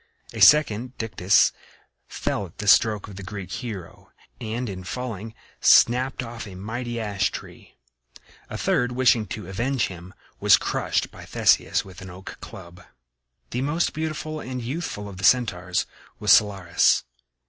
A second, Dictys, fell at the stroke of the Greek hero, and in falling snapped off a mighty ash tree; a third, wishing to avenge him, was crushed by Theseus with an oak club. The most beautiful and youthful of the Centaurs was Cyllarus.